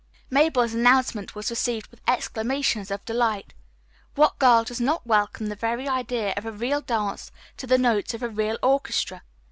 Mabel's announcement was received with exclamations of delight. What girl does not welcome the very idea of a real dance to the notes of a real orchestra?